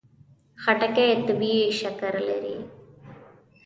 خټکی طبیعي شکر لري.